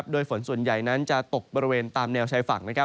โดยฝนส่วนใหญ่นั้นจะตกบริเวณตามแนวชายฝั่ง